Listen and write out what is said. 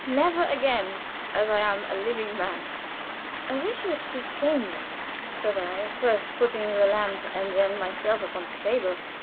Never again, as I am a living man." "I wish you would speak plainly," said I, first putting the lamp and then myself upon the table.